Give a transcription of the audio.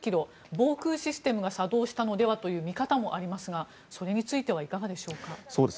防空システムが作動したのではという見方もありますがそれについてはいかがでしょうか。